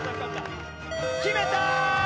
決めたー！